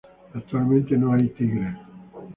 Actualmente no hay tigres.